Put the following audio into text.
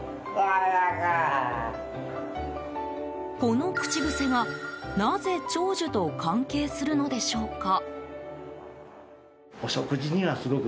この口癖が、なぜ長寿と関係するのでしょうか。